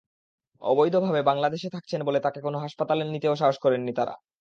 অবৈধভাবে বাংলাদেশে থাকছেন বলে তাঁকে কোনো হাসপাতালে নিতেও সাহস করেননি তাঁরা।